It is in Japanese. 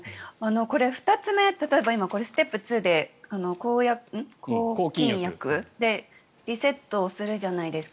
これ、２つ目例えば今、ステップ２で抗菌薬でリセットをするじゃないですか。